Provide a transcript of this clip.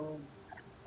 tidak ada masalah